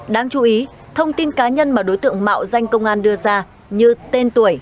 đáng chú ý thông tin cá nhân mà đối tượng mạo danh công an đưa ra như tên tuổi